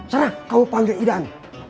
serah kamu panggil idan